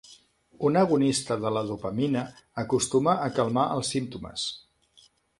Un agonista de la dopamina acostuma a calmar els símptomes.